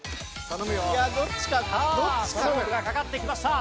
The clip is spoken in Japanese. さあ勝負がかかってきました。